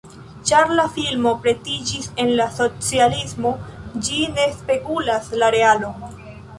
Ĉar la filmo pretiĝis en la socialismo, ĝi ne spegulas la realon.